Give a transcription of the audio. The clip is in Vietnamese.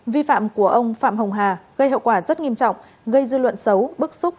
vi phạm của ông phạm hồng hà gây hậu quả rất nghiêm trọng gây dư luận xấu bức xúc